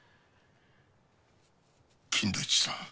金田一さん。